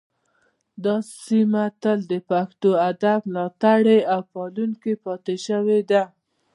دا سیمه تل د پښتو ادب ملاتړې او پالونکې پاتې شوې ده